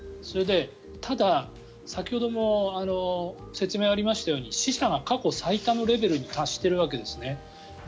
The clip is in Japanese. それで、ただ先ほども説明がありましたように死者が過去最多のレベルに達しているわけですね。